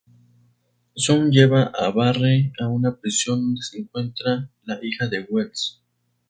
Zoom lleva a Barry a una prisión donde se encuentra la hija de Wells.